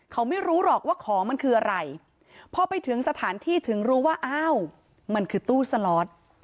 เขาไม่รู้หรอกว่าของมันคืออะไรพอไปถึงสถานที่ถึงรู้ว่าอ้าวมันคือตู้สล็อต